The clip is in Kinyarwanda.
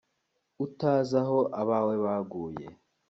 utazi aho abawe baguye